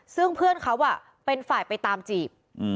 ซึ่งเพื่อนเขาเป็นฝ่ายไปตามจีบ